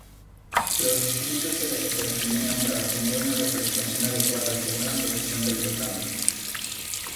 Los distritos se definían para obtener una representación adecuada según la profesión del votante.